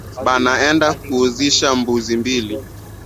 Banaenda kuuzisha mbuzi mbili